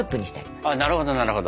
なるほどなるほど。